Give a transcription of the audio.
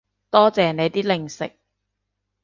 多謝你啲零食